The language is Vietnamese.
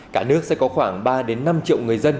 cả nước sẽ có khoảng ba năm triệu người dân